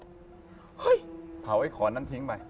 เฮ้ยเผาไอ้ขอนนั้นทิ้งไป